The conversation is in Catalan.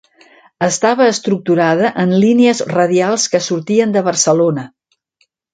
Estava estructurada en línies radials que sortien de Barcelona.